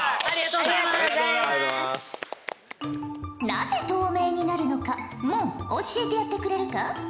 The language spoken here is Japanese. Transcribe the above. なぜ透明になるのか問教えてやってくれるか。